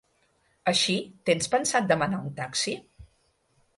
Així, tens pensat demanar un taxi?